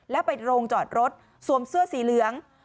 แล้วไปโรงจอดรถสวมเสื้อสีเหลือง